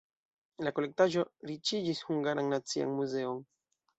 La kolektaĵo riĉigis Hungaran Nacian Muzeon.